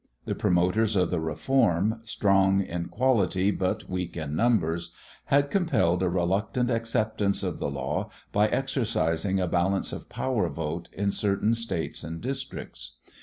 The promoters of the reform, strong in quality, but weak in numbers, had compelled a reluctant acceptance of the law by exercising a balance of power vote in certain States and districts.